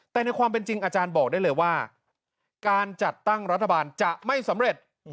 แต่ในความเป็นจริงอาจารย์บอกได้เลยว่าการจัดตั้งรัฐบาลจะไม่สำเร็จ